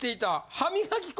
歯磨き粉！？